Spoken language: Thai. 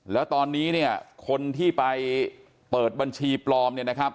แล้วตอนนี้คนที่ไปเปิดบัญชีปลอม